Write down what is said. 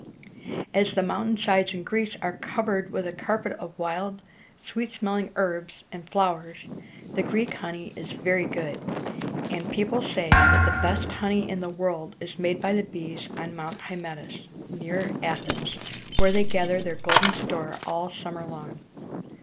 As the mountain sides in Greece are covered with a carpet of wild, sweet smelling herbs and flowers, the Greek honey is very good; and people say that the best honey in the world is made by the bees on Mount Hy met´tus, near Athens, where they gather their golden store all summer long.